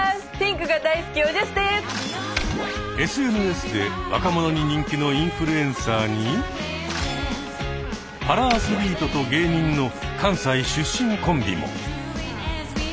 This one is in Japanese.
ＳＮＳで若者に人気のインフルエンサーにパラアスリートと芸人の関西出身コンビも。